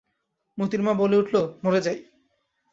মোতির মা বলে উঠল, মরে যাই!